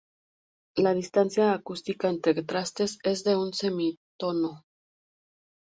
La distancia acústica entre trastes es de un semitono.